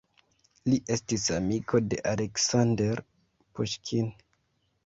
Li estis amiko de Aleksandr Puŝkin.